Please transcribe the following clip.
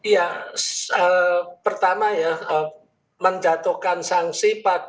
ya pertama ya menjatuhkan sanksi pada